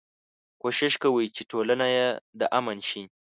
کوشش کوي چې ټولنه يې د امن شي.